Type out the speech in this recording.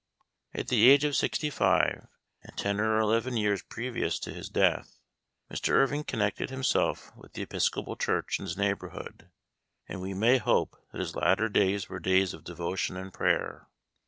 At the age of sixty five, and ten or eleven years previous to his death, Mr. Irving connected himself with the Episcopal Church in his neigh borhood, and we may hope that his latter days were days of devotion and prayer.